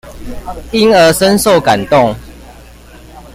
因而深受感動